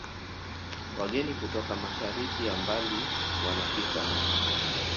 Wageni kutoka mashariki ya mbali wanafika